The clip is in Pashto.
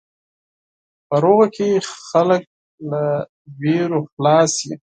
په سوله کې خلک له وېرو خلاص وي.